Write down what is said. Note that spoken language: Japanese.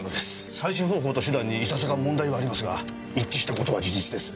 採取方法と手段にいささか問題はありますが一致した事は事実です。